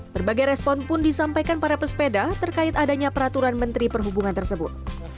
berbagai respon pun disampaikan para pesepeda terkait adanya peraturan menteri perhubungan tersebut